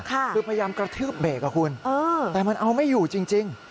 คือพยายามกระทืบเบรกอะคุณแต่มันเอาไม่อยู่จริง